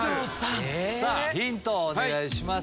ヒントお願いします。